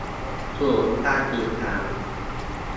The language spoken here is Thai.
ศูนย์การสื่อสาร